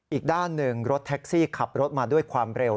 อีกด้านหนึ่งรถแท็กซี่ขับรถมาด้วยความเร็ว